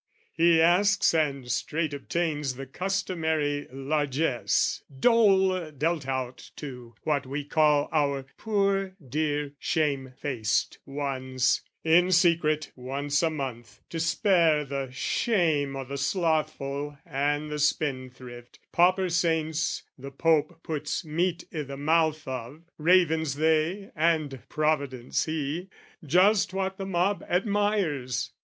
He asks and straight obtains The customary largess, dole dealt out To what we call our "poor dear shame faced ones," In secret once a month to spare the shame O' the slothful and the spendthrift, pauper saints The Pope puts meat i' the mouth of, ravens they, And providence he just what the mob admires!